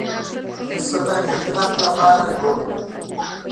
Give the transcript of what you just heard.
د نسبتاً علمي نقد لپاره جوړ کړم.